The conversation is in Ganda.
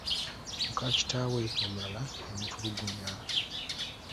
Muka kitaawe omulala y'amutulugunya.